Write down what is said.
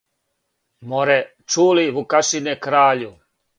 "Море, чу ли, Вукашине краљу,"